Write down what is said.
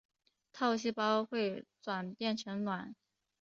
套细胞会转变成卵。